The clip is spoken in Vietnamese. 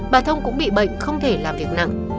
bà thông cũng bị bệnh không thể làm việc nặng